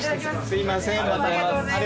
すいません。